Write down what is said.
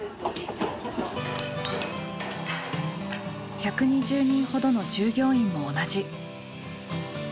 １２０人ほどの従業員も同じ。